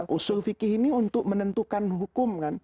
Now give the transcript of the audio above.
usul fiqh ini untuk menentukan hukum